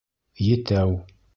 Етәү